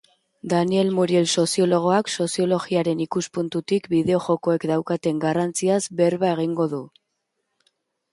Daniel Muriel soziologoak soziologiaren ikuspuntutik bideojokoek daukaten garrantziaz berba egingo du